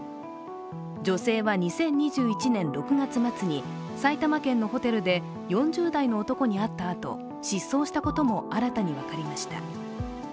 女性は２０２１年６月末に埼玉県のホテルで４０代の男に会ったあと、失踪したことも新たに分かりました。